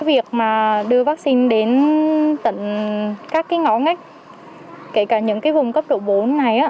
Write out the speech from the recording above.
việc đưa vaccine đến tỉnh các ngõ ngách kể cả những vùng cấp độ bốn này